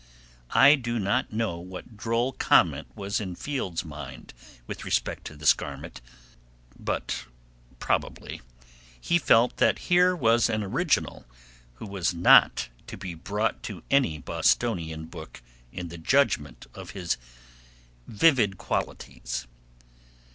I do not know what droll comment was in Fields's mind with respect to this garment, but probably he felt that here was an original who was not to be brought to any Bostonian book in the judgment of his vivid qualities.